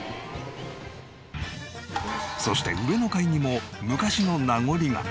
そして上の階にも昔の名残が。